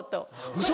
ウソ。